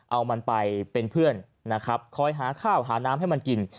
เอามันไปเป็นเพื่อนนะครับคอยหาข้าวหาน้ำให้มันกิน